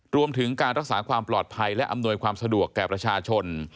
รวมถึงการรักษาความปลอดภัยและอำนวยความสะดวกแก่ประชาชน